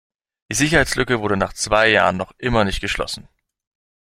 Die Sicherheitslücke wurde nach zwei Jahren noch immer nicht geschlossen.